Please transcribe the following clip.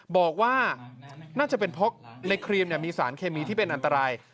บอกว่าน่าจะเป็นเพราะในครีมมีสารเคมีที่เป็นอันตราย